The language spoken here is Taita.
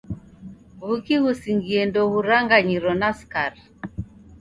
W'uki ghusingie ndoghuranganyiro na skari